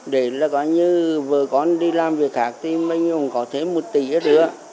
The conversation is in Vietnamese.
để là có như vợ con đi làm việc khác thì mình cũng có thêm một tỷ nữa